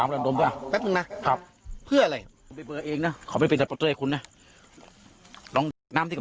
มันต้องเข้าผมเดี๋ยวไหม